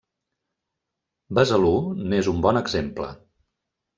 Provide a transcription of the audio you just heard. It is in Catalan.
Besalú n’és un bon exemple.